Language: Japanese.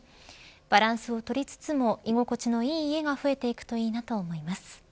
バランスをとりつつも、居心地のいい家が増えていくといいなと思います。